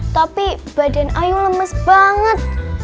tapi badan ayu lemes banget